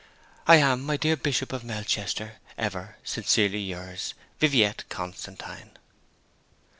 I am, my dear Bishop of Melchester, ever sincerely yours, 'VIVIETTE CONSTANTINE.'